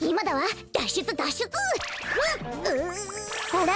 あら？